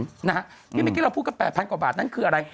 ยังเหมือนแบบที่เราพูดกับ๘๐๐๐กว่าบาทนั่นคืออะไร